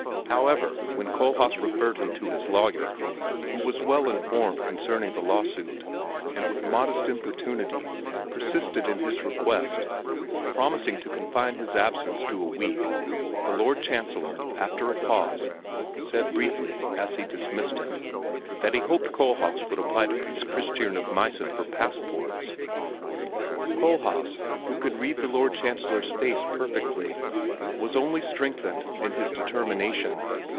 However, when Kohlhaas referred him to his lawyer, who was well informed concerning the lawsuit, and with modest importunity persisted in his request, promising to confine his absence to a week, the Lord Chancellor, after a pause, said briefly, as he dismissed him, that he hoped that Kohlhaas would apply to Prince Christiern of Meissen for passports. Kohlhaas, who could read the Lord Chancellor's face perfectly, was only strengthened in his determination.